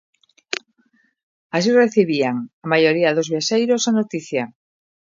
Así recibían a maioría dos viaxeiros a noticia.